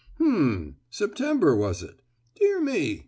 "Hum! September was it? Dear me!